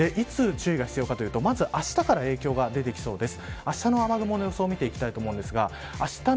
いつ注意が必要かというとまず、あしたから影響が出てきそうです。